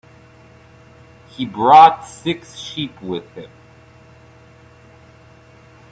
He brought six sheep with him.